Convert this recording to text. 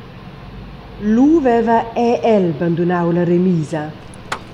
Lu veva era el bandunau la remisa.